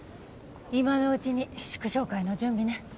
今のうちに祝勝会の準備ね。